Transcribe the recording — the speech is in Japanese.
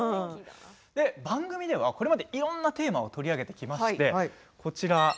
番組では、これまでいろんなテーマを取り上げてきまして。